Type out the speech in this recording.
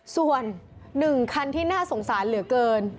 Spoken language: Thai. ส่วน๑คันที่น่าสงสารเหลือเกิน